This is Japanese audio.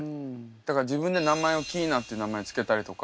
だから自分で名前をＫｉｉｎａって名前付けたりとか。